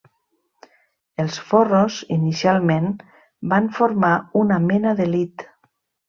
Els forros inicialment van formar una mena d'elit.